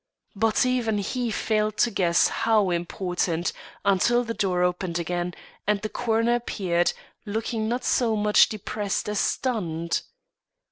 But even he failed to guess how important, until the door opened again, and the coroner appeared, looking not so much depressed as stunned.